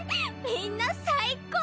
みんな最高！